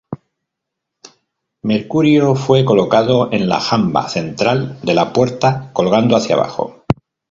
Mercurio fue colocado en la jamba central de La Puerta colgando hacia abajo.